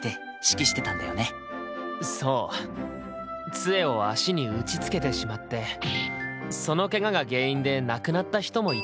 つえを足に打ちつけてしまってそのケガが原因で亡くなった人もいたんだ。